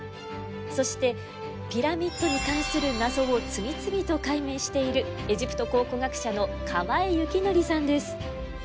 そしてピラミッドに関する謎を次々と解明しているエジプト考古学者の河江肖剰さんです。